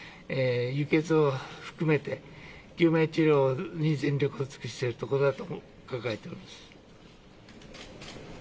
輸血を含めて救命治療に全力を尽くしているところだと伺っております。